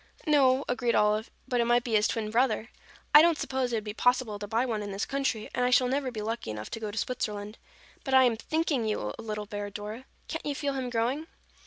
"No," agreed Olive, "but it might be his twin brother. I don't suppose it would be possible to buy one in this country, and I shall never be lucky enough to go to Switzerland. But I am thinking you a little bear, Dora. Can't you feel him growing?"